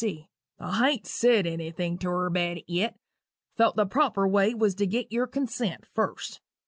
C. "I hain't said anything to her about it yet thought the proper way was to get your consent first.